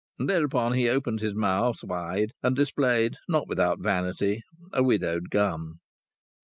And thereupon he opened his mouth wide, and displayed, not without vanity, a widowed gum.